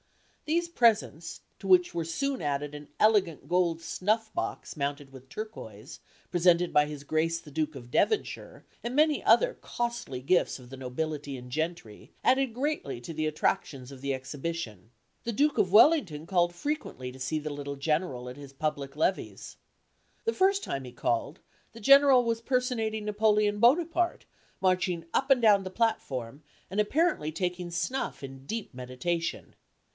These presents, to which were soon added an elegant gold snuff box mounted with turquoise, presented by his Grace the Duke of Devonshire, and many other costly gifts of the nobility and gentry, added greatly to the attractions of the exhibition. The Duke of Wellington called frequently to see the little General at his public levees. The first time he called, the General was personating Napoleon Bonaparte, marching up and down the platform, and apparently taking snuff in deep meditation.